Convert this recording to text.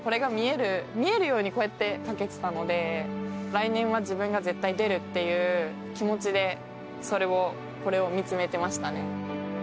来年は自分が絶対出るっていう気持ちでそれを、これを見つめてましたね。